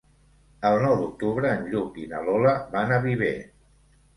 El nou d'octubre en Lluc i na Lola van a Viver.